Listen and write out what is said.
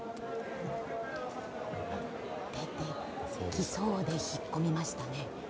出てきそうで引っ込みましたね。